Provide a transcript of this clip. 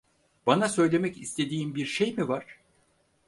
Bana söylemek istediğin bir şey mi var?